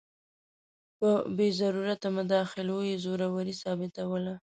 په بې ضرورته مداخلو یې زوروري ثابتوله.